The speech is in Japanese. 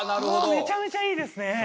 めちゃめちゃいいですね。